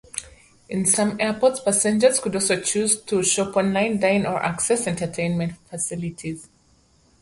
In some airports, passengers could also choose to shop, dine, or access entertainment facilities.